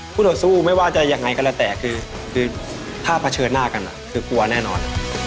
ต่อสู้ไม่ว่าจะยังไงก็แล้วแต่คือถ้าเผชิญหน้ากันคือกลัวแน่นอน